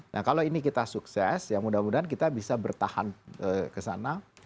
nah kalau ini kita sukses ya mudah mudahan kita bisa bertahan kesana